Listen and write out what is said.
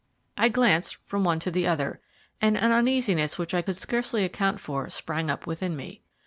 I glanced from one to the other, and an uneasiness which I could scarcely account for sprang up within me.